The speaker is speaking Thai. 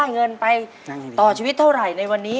เงินไปต่อชีวิตเท่าไหร่ในวันนี้